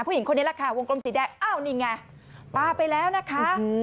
ผู้หญิงคนนี้แหละค่ะวงกลมสีแดงอ้าวนี่ไงปลาไปแล้วนะคะ